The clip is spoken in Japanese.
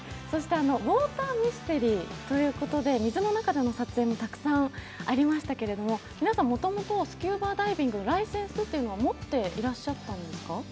そしてウォーターミステリーということで水の中の撮影もたくさんありましたけど、皆さん、もともとスキューバダイビングのライセンスというのは持っていらっしゃったんですか？